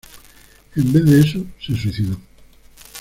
En vez de eso, se suicidó.